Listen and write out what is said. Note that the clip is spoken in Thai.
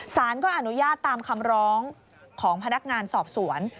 สารก็อนุญาตตามคำร้องของพนักงานสอบสวน